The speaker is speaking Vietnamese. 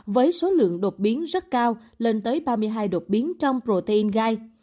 với số lượng đột biến rất cao lên tới ba mươi hai đột biến trong protein gai